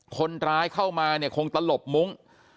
คนร้ายเข้ามาเนี่ยคงตลบมุ้ง